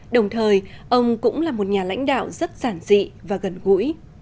đồng thời ông cũng là một nhà lãnh đạo rất giản dị và gần gũi